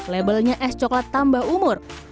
labelnya es coklat tambah umur